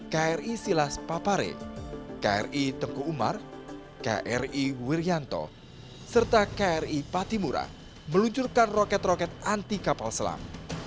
kri silas papare kri tengku umar kri wiryanto serta kri patimura meluncurkan roket roket anti kapal selam